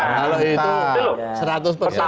kalau itu seratus persen